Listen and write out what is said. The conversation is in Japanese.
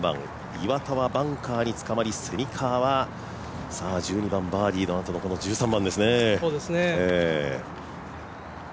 岩田はバンカーにつかまり、蝉川は１２番バーディーのあとのこの１３番ですね。